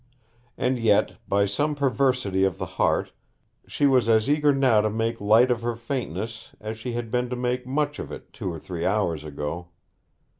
And yet, by some perversity of the heart, she was as eager now to make light of her faintness as she had been to make much of it two or three hours ago.